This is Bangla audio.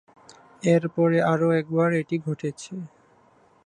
এর পরে আরও একবার এটি ঘটেছে।